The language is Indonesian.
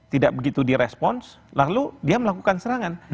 tidak begitu direspons lalu dia melakukan serangan